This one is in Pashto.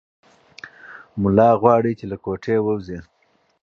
ملا غواړي چې له کوټې ووځي.